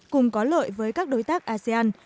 cùng có lợi với các đối tác asean